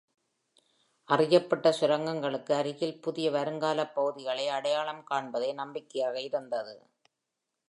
அறியப்பட்ட சுரங்கங்களுக்கு அருகில் புதிய வருங்காலப் பகுதிகளை அடையாளம் காண்பதே நம்பிக்கையாக இருந்தது.